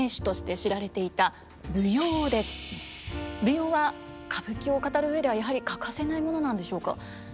舞踊は歌舞伎を語る上ではやはり欠かせないものなんでしょうか。